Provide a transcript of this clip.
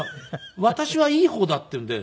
「私はいい方だ」って言うんで。